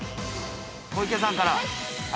◆小池さんから。